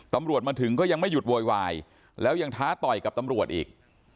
ตำรวจมาถึงก็ยังไม่หยุดโวยวายแล้วยังท้าต่อยกับตำรวจอีก